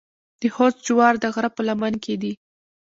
د خوست جوار د غره په لمن کې دي.